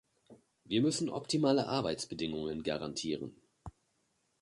Wir müssen optimale Arbeitsbedingungen garantieren.